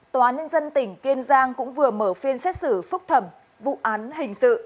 tòa án nhân dân tỉnh kiên giang cũng vừa mở phiên xét xử phúc thẩm vụ án hình sự